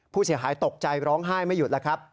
ผู้เสียหายตกใจร้องไห้ไม่หยุดแล้วครับ